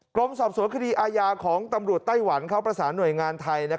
กรมสอบสวนคดีอาญาของตำรวจไต้หวันเขาประสานหน่วยงานไทย